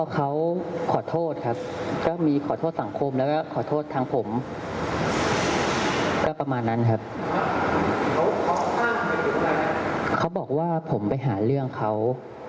เขาบอกว่าผมไปหาเรื่องเขา